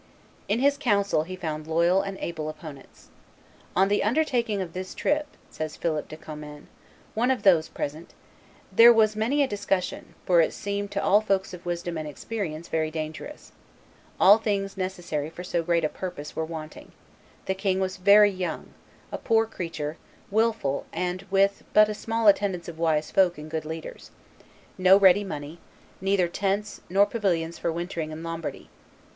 In his council he found loyal and able opponents. "On the undertaking of this trip," says Philip de Commynes, one of those present, "there was many a discussion, for it seemed to all folks of wisdom and experience very dangerous ... all things necessary for so great a purpose were wanting; the king was very young, a poor creature, wilful and with but a small attendance of wise folk and good leaders; no ready money; neither tents, nor pavilions for wintering in Lombardy.